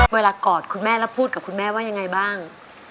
กอดคุณแม่แล้วพูดกับคุณแม่ว่ายังไงบ้าง